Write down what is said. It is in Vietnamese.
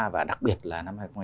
và đặc biệt là năm hai nghìn hai mươi